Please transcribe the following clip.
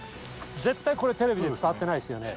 絶対これ、テレビで伝わってないですよね。